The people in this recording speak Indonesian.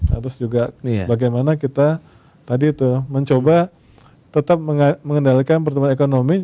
terus juga bagaimana kita tadi itu mencoba tetap mengendalikan pertumbuhan ekonomi